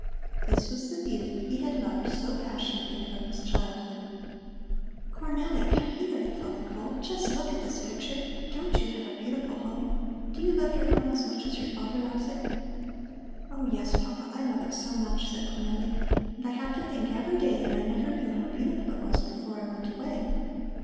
This was the view he had loved so passionately from his childhood. "Cornelli, come here!" the father called. "Just look at this picture! Don't you have a beautiful home? Do you love your home as much as your father loves it?" "Oh yes, Papa, I love it so much!" said Cornelli. "And I have to think every day that I never knew how beautiful it was before I went away.